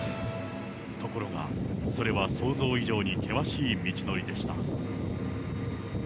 ところが、それは想像以上に険しい道のりでした。